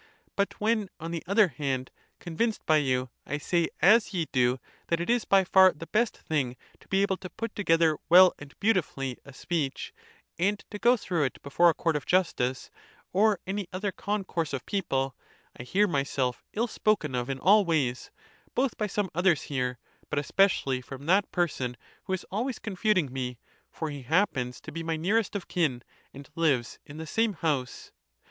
But when, on the other hand, convinced by. you, I say as ye do, that it is by far the best thing to be able to put together well and beautifully a speech, and to go through it before a court of justice, or any other concourse of people, I hear myself ill spoken of in all ways, both by some others here, but especially from that person, who is always confuting me; for he happens to be my nearest of kin, and lives in the same house.